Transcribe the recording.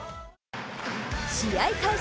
試合開始